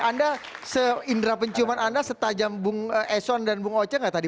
anda seindera penciuman anda setajam bung eson dan bung oce nggak tadi